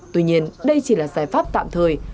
tuy nhiên đây chỉ là giải pháp tạm thời